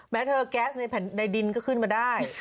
เธอแก๊สในแผ่นใดดินก็ขึ้นมาได้